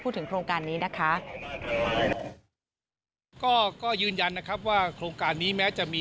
พูดถึงโครงการนี้นะคะ